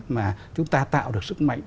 mà chúng ta tạo được sức mạnh